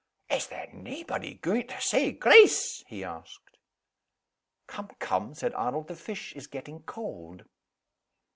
"Is there naebody gaun' to say grace?" he asked. "Come! come!" said Arnold. "The fish is getting cold."